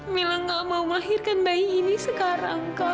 mila gak mau melahirkan bayi ini sekarang